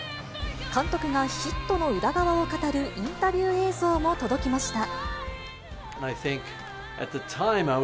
監督がヒットの裏側を語るインタビュー映像も届きました。